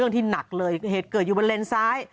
ที่หนักเลยเหตุเกิดอยู่บนเลนซ้าย